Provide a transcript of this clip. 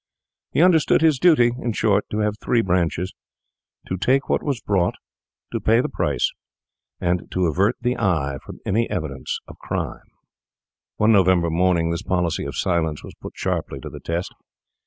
He understood his duty, in short, to have three branches: to take what was brought, to pay the price, and to avert the eye from any evidence of crime. One November morning this policy of silence was put sharply to the test.